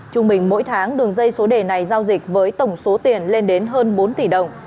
trung bình mỗi tháng đường dây số đề này giao dịch với tổng số tiền lên đến hơn bốn tỷ đồng